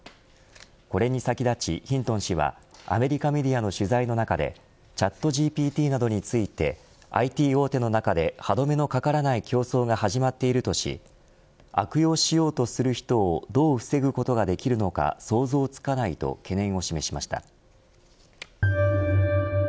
これに先立ちヒントン氏はアメリカメディアの取材の中でチャットＧＰＴなどについてＩＴ大手の中で歯止めのかからない競争が始まっているとし悪用しようとする人をどう防ぐことができるのか想像つかないと懸念を示しました。